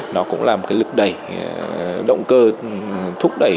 nó cũng là một cái lực đẩy động cơ thúc đẩy